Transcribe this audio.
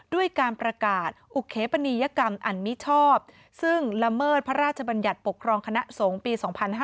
ด้วยการประกาศอุเคปนียกรรมอันมิชอบซึ่งละเมิดพระราชบัญญัติปกครองคณะสงฆ์ปี๒๕๕๙